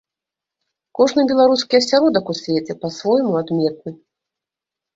Кожны беларускі асяродак у свеце па-свойму адметны.